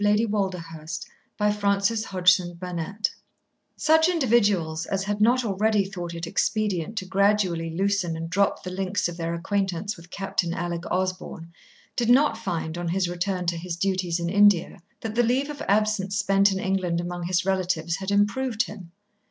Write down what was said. she said. Chapter Twenty four Such individuals as had not already thought it expedient to gradually loosen and drop the links of their acquaintance with Captain Alec Osborn did not find, on his return to his duties in India, that the leave of absence spent in England among his relatives had improved him.